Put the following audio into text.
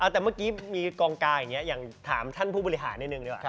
แต่เมื่อกี้มีกองการอย่างนี้อยากถามท่านผู้บริหารนิยมิตรหนึ่ง